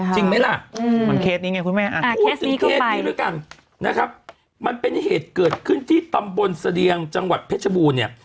จริงไหมล่ะพูดถึงเคสนี้ด้วยกันนะครับมันเป็นเหตุเกิดขึ้นที่ตำบลเสดียงจังหวัดเพชรบูรณ์เนี่ย